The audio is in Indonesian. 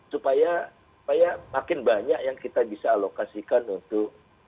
supaya makin banyak yang kita bisa alokasikan untuk